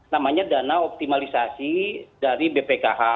namanya dana optimalisasi dari bpkh